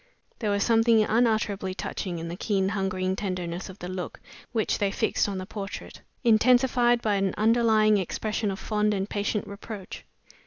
There was something unutterably touching in the keen hungering tenderness of the look which they fixed on the portrait, intensified by an underlying expression of fond and patient reproach.